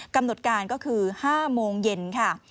กำหนดการก็คือ๕โมงเย็นค่ะ